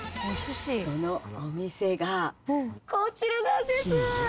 そのお店がこちらなんです！